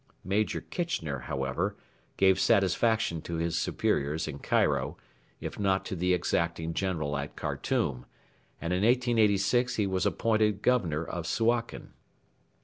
Major Kitchener, however, gave satisfaction to his superiors in Cairo, if not to the exacting General at Khartoum, and in 1886 he was appointed Governor of Suakin.